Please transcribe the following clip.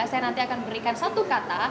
saya nanti akan berikan satu kata